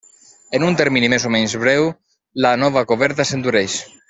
En un termini més o menys breu la nova coberta s'endureix.